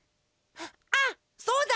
あっそうだ！